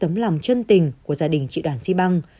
trước tấm lòng chân tình của gia đình chị đoàn zibang